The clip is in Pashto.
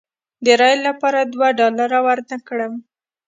د رایې لپاره دوه ډالره ورنه کړم.